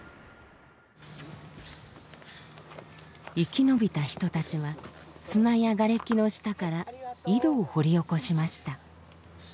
生き延びた人たちは砂やがれきの下から井戸を掘り起こしました。